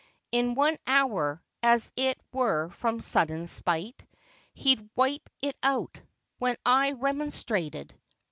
In one hour, as it were from sudden spite. He'd wipe it out. When I remonstrated.